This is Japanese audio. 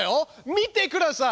見てください。